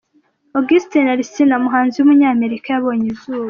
August Alsina, umuhanzi w’umunyamerika yabonye izuba.